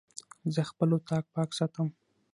زه خپل اطاق پاک ساتم.